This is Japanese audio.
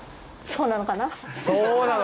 そうなのかな？